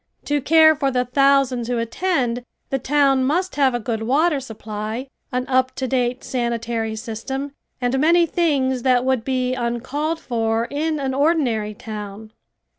To care for the thousands who attend, the town must have a good water supply, an up to date sanitary system, and many things that would be uncalled for in an ordinary town.